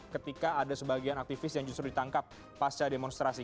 ketika ada sebagian aktivis yang justru ditangkap pasca demonstrasi